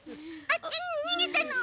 あっちに逃げたの！